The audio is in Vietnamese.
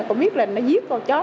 cô biết là nó giết cô chết